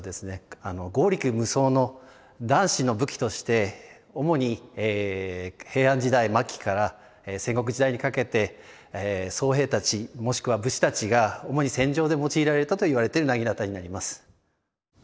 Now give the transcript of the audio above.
あの強力無双の男子の武器として主に平安時代末期から戦国時代にかけて僧兵たちもしくは武士たちが主に戦場で用いられたといわれている薙刀になります。